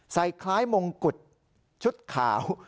คล้ายมงกุฎชุดขาว